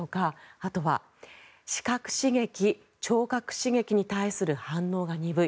あとは、視覚刺激聴覚刺激に対する反応が鈍い